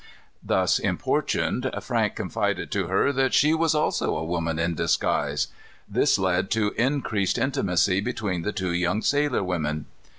Thus importuned, Frank confided to her that she was also a woman in disguise. This led to increased intimacy between the two young sailor women.